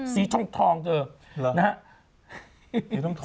สีทองเธอ